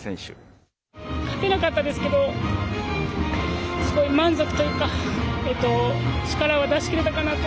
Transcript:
勝てなかったですけど満足というか力は出し切れたかなと。